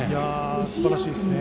すばらしいですね。